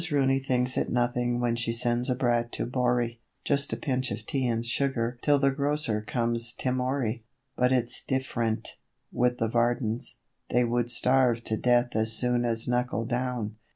Rooney thinks it nothing when she sends a brat to 'borry' Just a pinch of tea and sugar till the grocer comes temorry;' But it's dif'rent with the Vardens they would starve to death as soon as Knuckle down.